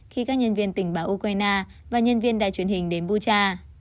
khi các nhân viên tình báo ukraine và nhân viên đài truyền hình đến bucha